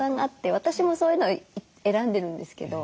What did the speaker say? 私もそういうのを選んでるんですけど。